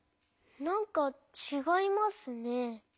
なんかちがいますね。